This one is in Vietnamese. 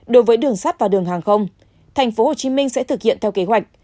đối với đường sắt và đường hàng không tp hcm sẽ thực hiện theo kế hoạch